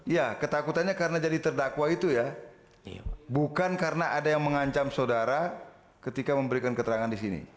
ya ketakutannya karena jadi terdakwa itu ya bukan karena ada yang mengancam saudara ketika memberikan keterangan di sini